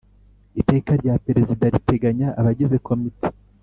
Iteka rya Perezida riteganya abagize Komite